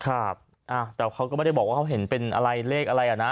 ครับแต่เขาก็ไม่ได้บอกว่าเขาเห็นเป็นอะไรเลขอะไรอ่ะนะ